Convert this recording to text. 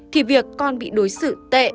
thì việc con bị đối xử tệ